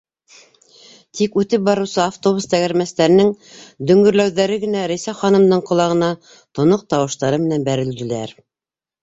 Тик үтеп барыусы автобус тәгәрмәстәренең дөңгөрләүҙәре генә Рәйсә ханымдың ҡолағына тоноҡ тауыштары менән бәрелделәр.